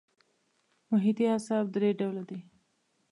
محیطي اعصاب درې ډوله دي.